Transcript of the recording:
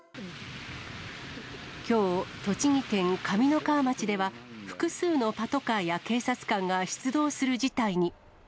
きょう、栃木県上三川町では複数のパトカーや警察官が出動する事態に。